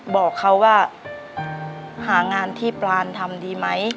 บอกเขาว่าหางานที่ปรานทำดีไหม